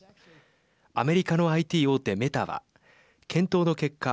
アメリカのＩＴ大手メタは検討の結果